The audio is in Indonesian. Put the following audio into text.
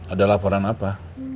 ada laporan apa